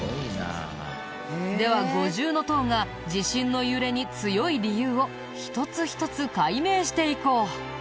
では五重塔が地震の揺れに強い理由を一つ一つ解明していこう。